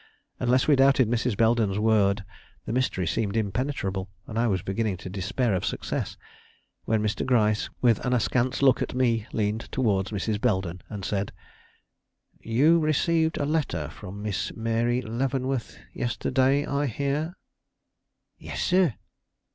Unless we doubted Mrs. Belden's word, the mystery seemed impenetrable, and I was beginning to despair of success, when Mr. Gryce, with an askance look at me, leaned towards Mrs. Belden and said: "You received a letter from Miss Mary Leavenworth yesterday, I hear." "Yes, sir."